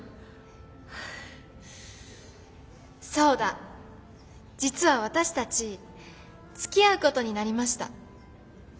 そうだ実は私たちつきあうことになりました。